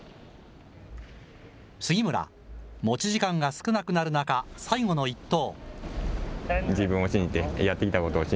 杉村、持ち時間が少なくなる中、最後の一投。